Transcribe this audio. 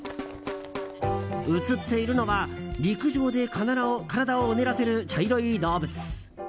映っているのは陸上で体をうねらせる茶色い動物。